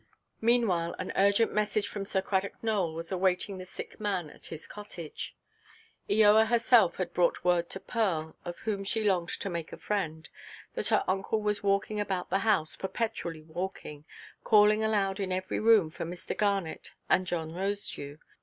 Meanwhile, an urgent message from Sir Cradock Nowell was awaiting the sick man at his cottage. Eoa herself had brought word to Pearl (of whom she longed to make a friend) that her uncle was walking about the house, perpetually walking, calling aloud in every room for Mr. Garnet and John Rosedew.